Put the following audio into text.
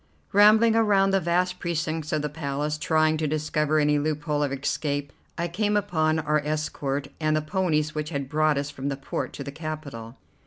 Rambling around the vast precincts of the Palace, trying to discover any loophole of escape, I came upon our escort and the ponies which had brought us from the port to the capital.